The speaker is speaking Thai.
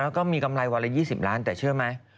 แล้วก็มีกำไรวันละ๒๐ล้านแต่เชื่อไหม